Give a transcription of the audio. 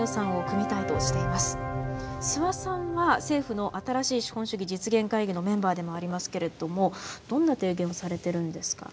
諏訪さんは政府の新しい資本主義実現会議のメンバーでもありますけれどもどんな提言をされてるんですか？